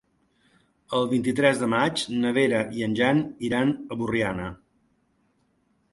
El vint-i-tres de maig na Vera i en Jan iran a Borriana.